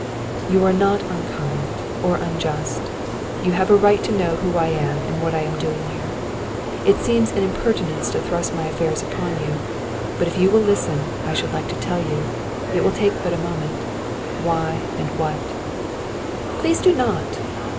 "You are not unkind or unjust. You have a right to know who I am and what I am doing here. It seems an impertinence to thrust my affairs upon you; but if you will listen I should like to tell you it will take but a moment why and what " "Please do not!